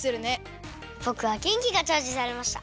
ぼくはげんきがチャージされました。